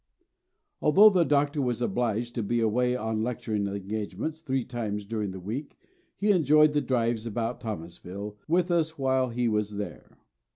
Although the Doctor was obliged to be away on lecturing engagements three times during the week he enjoyed the drives about Thomasville with us while he was there.